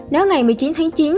nếu ngày một mươi chín tháng chín